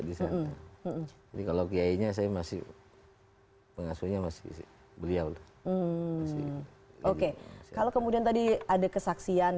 ini kalau kayaknya saya masih pengasuhnya masih beliau oke kalau kemudian tadi ada kesaksian